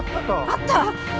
あった！